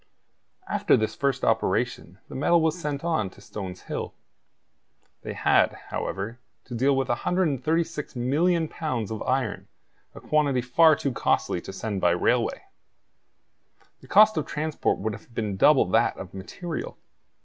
After this first operation, the metal was sent on to Stones Hill. They had, however, to deal with 136,000,000 pounds of iron, a quantity far too costly to send by railway. The cost of transport would have been double that of material.